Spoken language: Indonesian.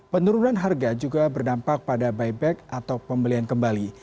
penurunan harga juga berdampak pada buyback atau pembelian kembali